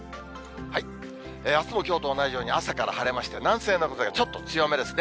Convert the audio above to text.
あすもきょうと同じように、朝から晴れまして、南西などでちょっと強めですね。